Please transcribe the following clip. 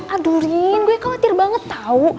aduh rin gue khawatir banget tau